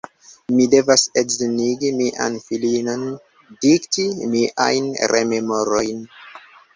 Mi devas edzinigi mian filinon, dikti miajn rememorojn.